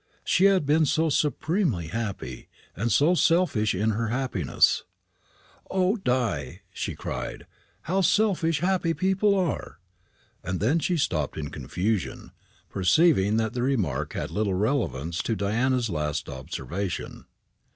She had been so supremely happy, and so selfish in her happiness. "O, Di," she cried, "how selfish happy people are!" And then she stopped in confusion, perceiving that the remark had little relevance to Diana's last observation.